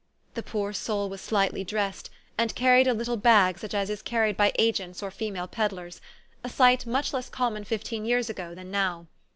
The poor soul was slightly dressed, and carried a little bag such as is carried by agents or female peddlers, a sight much less common fifteen years ago than now.